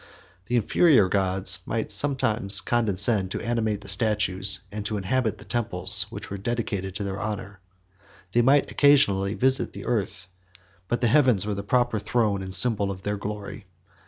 20 The inferior gods might sometimes condescend to animate the statues, and to inhabit the temples, which were dedicated to their honor. They might occasionally visit the earth, but the heavens were the proper throne and symbol of their glory.